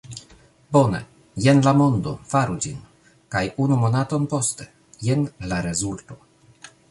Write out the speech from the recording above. "Bone, jen la mondo, faru ĝin!" kaj unu monaton poste, jen la rezulto!